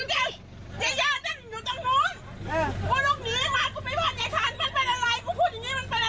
เอ่อเอาไปเล่นเล่นอย่าพูดเอออย่าอยู่ตรงนู้นเออ